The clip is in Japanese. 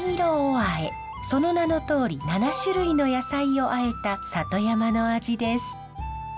その名のとおり７種類の野菜をあえた里山の味です。